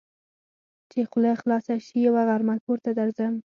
چې خوله خلاصه شي؛ يوه غرمه کور ته درځم.